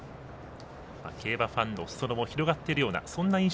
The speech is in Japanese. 競馬ファンのすそ野も広がっているような